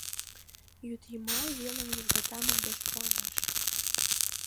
Йӱдйымал велым южгата мардеж пуалеш.